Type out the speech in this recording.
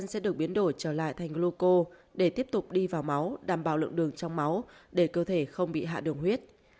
sẽ được biến đổi trở lại thành gloco để tiếp tục đi vào máu đảm bảo lượng đường trong máu để cơ thể không bị hạ đường huyết